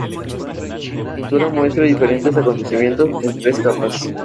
Se encuentra en Burundi, República Democrática del Congo, Ruanda y Uganda.